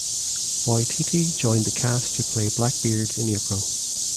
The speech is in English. Waititi joined the cast to play Blackbeard in April.